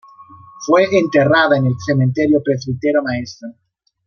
Fue enterrada en el Cementerio Presbítero Maestro.